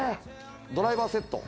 ドライバーセット。